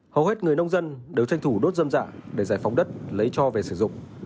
hầu hết người nông dân đều tranh thủ đốt dâm dạ để giải phóng đất lấy cho về sử dụng